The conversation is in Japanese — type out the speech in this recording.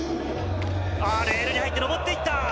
さぁ、レールに入って上っていった。